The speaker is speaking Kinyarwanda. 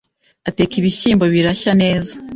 ateka ibishyimbo birashya neza